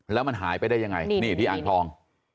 แล้วมันหายไปได้ยังไงนี่ที่อ่างทอง